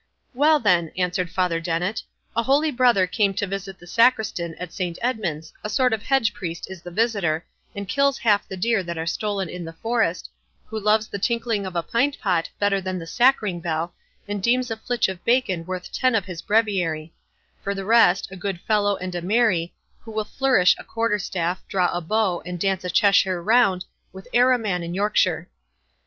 "Well, then," answered Father Dennet, "a holy brother came to visit the Sacristan at Saint Edmund's—a sort of hedge priest is the visitor, and kills half the deer that are stolen in the forest, who loves the tinkling of a pint pot better than the sacring bell, and deems a flitch of bacon worth ten of his breviary; for the rest, a good fellow and a merry, who will flourish a quarter staff, draw a bow, and dance a Cheshire round, with e'er a man in Yorkshire."